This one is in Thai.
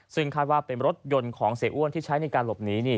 ซึ่งคาดว่าเป็นรถยนต์ของเสียอ้วนที่ใช้ในการหลบหนี